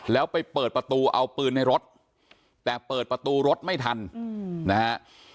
แล้วไปเปิดประตูเอาปืนในรถแต่เปิดประตูรถไม่ทันนะฮะ